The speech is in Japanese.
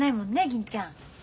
銀ちゃん。